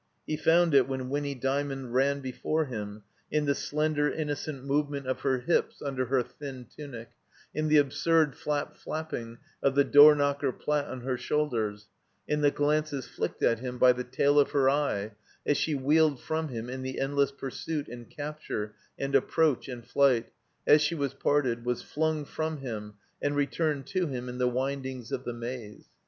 He found it, when Winny Dymond ran before him, in the slender, innocent movement of her hips under her thin ttmic, in the absurd flap flapping of the door knocker plat on her shoulders, in the glances flicked at him by the tail of her eye as she wheeled from him in the endless pursuit and capture and approach and flight, as she was parted, was fltmg from him and returned to him in the windings of the Maze.